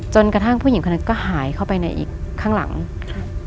จนกระทั่งผู้หญิงคนนั้นก็หายเข้าไปในอีกข้างหลังครับ